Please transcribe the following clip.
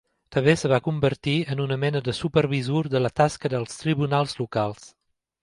També es va convertir en una mena de supervisor de la tasca dels tribunals locals.